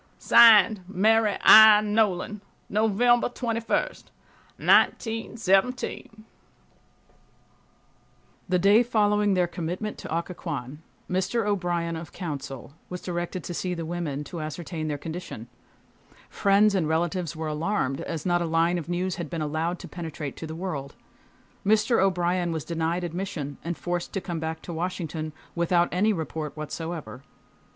(Signed) MARY I. NOLAN. November 21, 1917, The day following their commitment to Occoquan Mr. O'Brien, of counsel, was directed to see the women, to ascertain their condition. Friends and relatives were alarmed, as not a line of news had been allowed to penetrate to the world. Mr. O'Brien was denied admission and forced to come back to Washington without any report whatsoever.